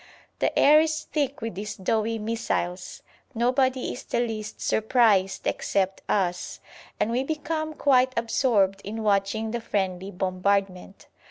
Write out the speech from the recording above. The air is thick with these doughy missiles. Nobody is the least surprised except us, and we become quite absorbed in watching the friendly bombardment.